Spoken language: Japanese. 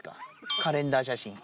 カレンダー写真。